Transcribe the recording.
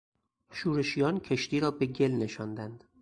شورشیان کشتی رابه گل نشاندند.